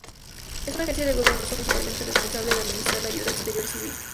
Es una agencia del gobierno ruso principalmente responsable de administrar la ayuda exterior civil.